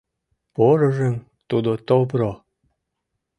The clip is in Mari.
Порыжым тудо товро.